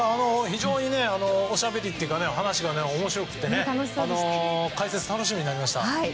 非常におしゃべりというか話が面白くて解説楽しみになりました。